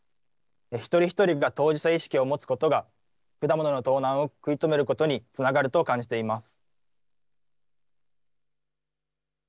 一人一人が当事者意識を持つことが、果物の盗難を食い止めることにつながると感じています。